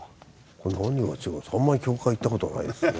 あんまり教会行った事がないですね。